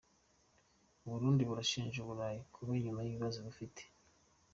U Burundi burashinja u Burayi kuba inyuma y’ ibibazo bufite .